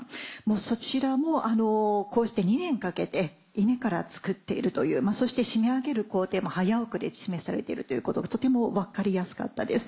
そちらもこうして２年かけて稲から作っているというそして締め上げる工程も早送りで示されてるということがとても分かりやすかったです。